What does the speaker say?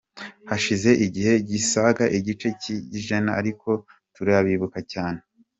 Hashize igihe gisaga igice cy’ikinyejana, ariko turabibuka cyane.